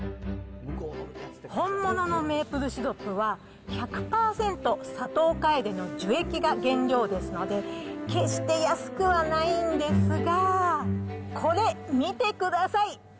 本物のメープルシロップは、１００％サトウカエデの樹液が原料ですので、決して安くはないんですが、これ、見てください。